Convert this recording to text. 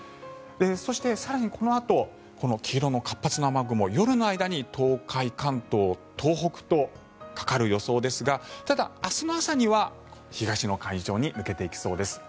そして、更にこのあと黄色の活発な雨雲夜の間に東海、関東、東北とかかる予想ですがただ、明日の朝には東の海上に抜けていきそうです。